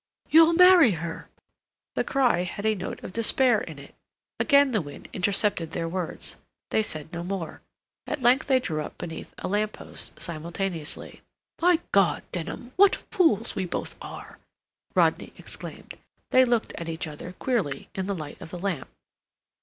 You'll marry her!" The cry had a note of despair in it. Again the wind intercepted their words. They said no more. At length they drew up beneath a lamp post, simultaneously. "My God, Denham, what fools we both are!" Rodney exclaimed. They looked at each other, queerly, in the light of the lamp.